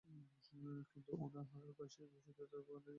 কিন্তু উনার বড় ভাই সিদ্ধিদাতা গণেশ নিজের বাবা-মার পিছনে ঘুরেছে।